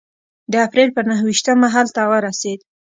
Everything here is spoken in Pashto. د اپرېل په نهه ویشتمه هلته ورسېد.